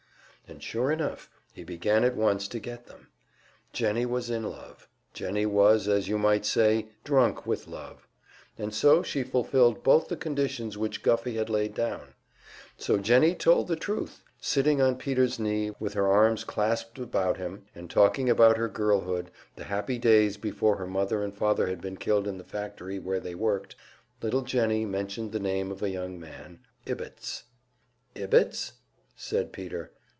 And sure enough, he began at once to get them. Jennie was in love; Jennie was, as you might say, "drunk with love," and so she fulfilled both the conditions which Guffey had laid down. So Jennie told the truth! Sitting on Peter's knee, with her arms clasped about him, and talking about her girlhood, the happy days before her mother and father had been killed in the factory where they worked, little Jennie mentioned the name of a young man, Ibbetts. "Ibbetts?" said Peter.